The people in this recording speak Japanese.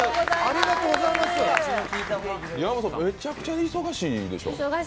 山本さん、めちゃくちゃ忙しいでしょう？